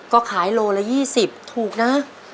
ก็ขายโลละ๒๐ถูกนะ